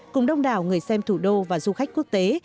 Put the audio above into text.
cùng đông đảo người xem thủ đô và du khách quốc tế